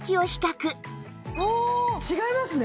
違いますね！